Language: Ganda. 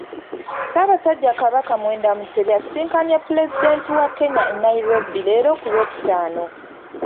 Ssaabasajja Kabaka Muwenda Mutebi asisinkanye Pulezidenti wa Kenya e Nairobi leero ku Lwokutaano.